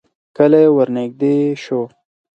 کلی ورنږدې شو.